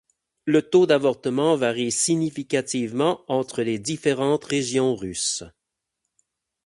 Le taux d'avortement varie significativement entre les différentes régions russes.